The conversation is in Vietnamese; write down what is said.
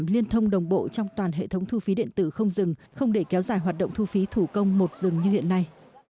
liên thông đồng bộ trong toàn hệ thống thu phí điện tử không dừng không để kéo dài hoạt động thu phí thủ công một dừng như hiện nay